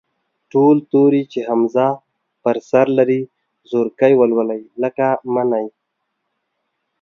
ټول توري چې همزه پر سر لري، زورکی ولولئ، لکه: مٔنی.